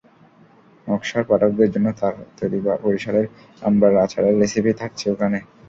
নকশার পাঠকদের জন্য তাঁর তৈরি বরিশালের আমড়ার আচারের রেসিপি থাকছে এখানে।